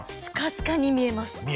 スカスカに見えます。